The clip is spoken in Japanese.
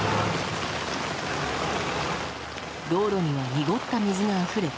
道路には濁った水があふれ。